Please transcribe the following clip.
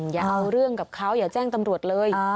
อย่าเอาเรื่องกับเขาอย่าแจ้งตำรวจเลย